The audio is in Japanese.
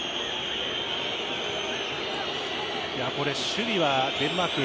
守備はデンマーク